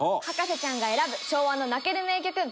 博士ちゃんが選ぶ昭和の泣ける名曲